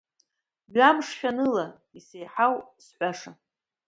Мҩамш шәаныла исеиҳау зҳәаша…